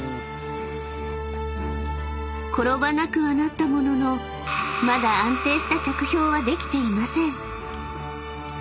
［転ばなくはなったもののまだ安定した着氷はできていません］